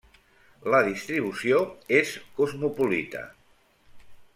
La distribució és cosmopolita.